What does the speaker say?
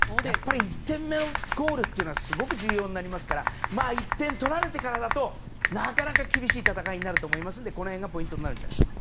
１点目のゴールというのはすごく重要になりますから１点取られてからだとなかなか厳しい戦いになると思いますのでこの辺がポイントになると思います。